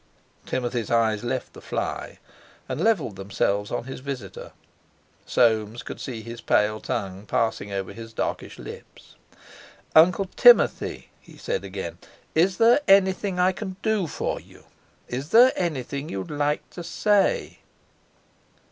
Timothy's eyes left the fly, and levelled themselves on his visitor. Soames could see his pale tongue passing over his darkish lips. "Uncle Timothy," he said again, "is there anything I can do for you? Is there anything you'd like to say?"